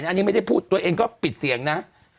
อันนี้ไม่ได้พูดตัวเองก็ปิดเสียงนะ